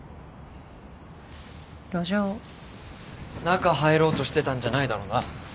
中入ろうとしてたんじゃないだろうな？